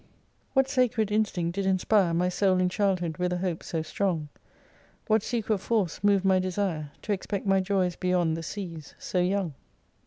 3 "What sacred instinct did inspire My soul in childhood with a hope so strong ? What secret force moved my desire. To expect my joys beyond the seas, so young